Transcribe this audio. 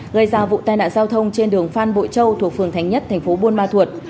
gây ra vụ tai nạn giao thông trên đường phan bội châu thuộc phường thánh nhất thành phố buôn ma thuột